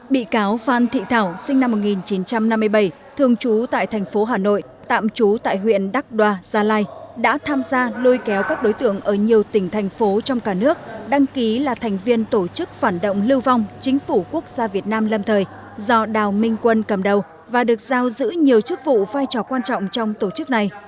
bị cáo phan thị thảo sinh năm một nghìn chín trăm năm mươi bảy thường trú tại thành phố hà nội tạm trú tại huyện đắc đoa gia lai đã tham gia lôi kéo các đối tượng ở nhiều tỉnh thành phố trong cả nước đăng ký là thành viên tổ chức phản động lưu vong chính phủ quốc gia việt nam lâm thời do đào minh quân cầm đầu và được giao giữ nhiều chức vụ vai trò quan trọng trong tổ chức này